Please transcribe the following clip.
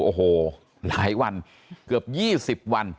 โอ้โหหลายวันเกือบ๒๐วัน